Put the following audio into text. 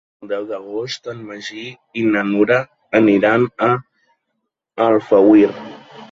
El deu d'agost en Magí i na Nura aniran a Alfauir.